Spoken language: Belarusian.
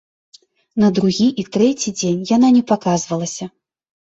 На другі і трэці дзень яна не паказвалася.